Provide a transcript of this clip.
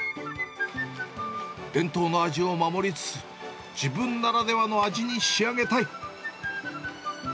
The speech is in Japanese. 伝統の味を守りつつ、自分ならではの味に仕上げたい。